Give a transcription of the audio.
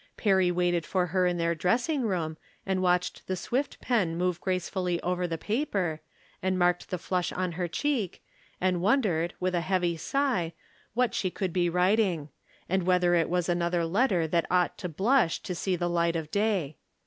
Perry waited for her in their dressing room, and watched the swift pen move gracefully over the paper, and marked the flush on her cheek, and wondered, with a heavy sigh, what she could be writing ; and whether it was another letter that ought to blush to see the light of daj'.